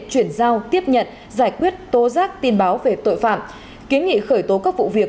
chuyển giao tiếp nhận giải quyết tố giác tin báo về tội phạm kiến nghị khởi tố các vụ việc